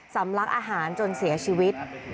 ลักอาหารจนเสียชีวิต